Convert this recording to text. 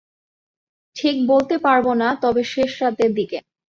ঠিক বলতে পারব না, তবে শেষরাতের দিকে।